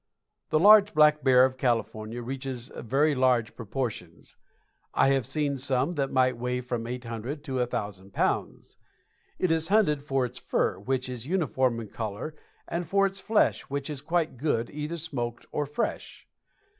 The large black bear of California reaches very large proportions. I have seen some that might weigh from 800 to 1,000 pounds. It is hunted for its fur, which is uniform in color, and for its flesh, which is quite good, either smoked or fresh.